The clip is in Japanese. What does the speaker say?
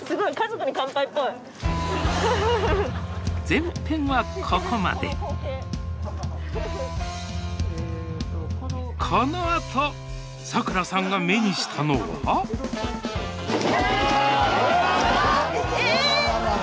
前編はここまでこのあとサクラさんが目にしたのはえ？